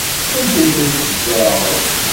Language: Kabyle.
Anda ay ten-tzerɛeḍ?